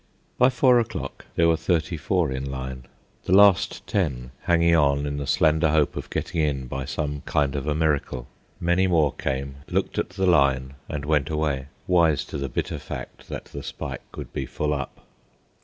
By four o'clock there were thirty four in line, the last ten hanging on in the slender hope of getting in by some kind of a miracle. Many more came, looked at the line, and went away, wise to the bitter fact that the spike would be "full up."